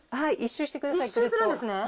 １周するんですね？